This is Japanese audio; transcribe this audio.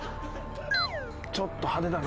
「ちょっと派手だな。